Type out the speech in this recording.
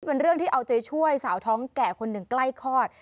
เป็นเรื่องที่เอาใจช่วยสาวท้องแก่คนหนึ่งใกล้คลอด